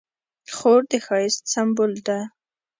خور د ښایست سمبول ده.